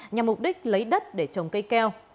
nhằm mục đích lấy đất để trồng cây keo